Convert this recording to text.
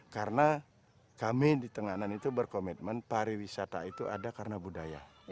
karena kami di tenganan itu berkomitmen pariwisata itu ada karena budaya